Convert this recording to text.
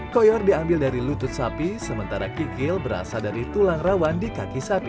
koyor diambil dari lutut sapi sementara kikil berasal dari tulang rawan di kaki sapi